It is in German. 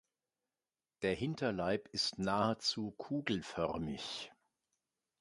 Der Hinterleib ist nahezu kugelförmig.